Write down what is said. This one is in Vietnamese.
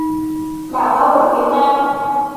Đảng Lao động Việt Nam